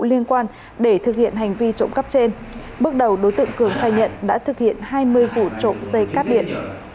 liên quan để thực hiện hành vi trộm cắp trên bước đầu đối tượng cường khai nhận đã thực hiện hai mươi vụ trộm dây cắp điện